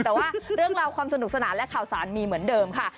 แต่ว่าเรื่องราวความสนุกสนานและข่าวสารมีเหมือนเดิมค่ะ